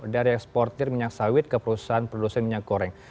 dari eksportir minyak sawit ke perusahaan produsen minyak goreng